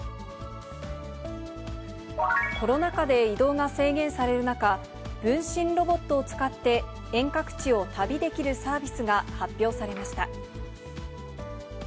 コロナ禍で移動が制限される中、分身ロボットを使って、遠隔地を旅できるサービスが発表されました。